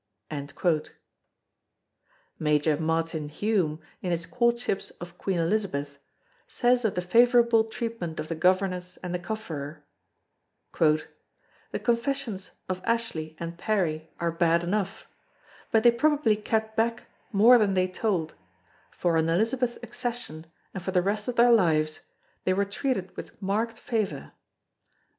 Major Martin Hume in his Courtships of Queen Elizabeth says of the favourable treatment of the Governess and the Cofferer: "The confessions of Ashley and Parry are bad enough; but they probably kept back more than they told, for on Elizabeth's accession and for the rest of their lives, they were treated with marked favour.